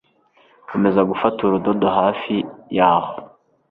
Komeza gufata urudodo hafi yaho